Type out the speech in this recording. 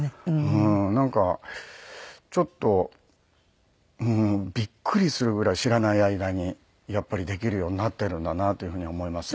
なんかちょっとびっくりするぐらい知らない間にやっぱりできるようになっているんだなというふうに思いますね。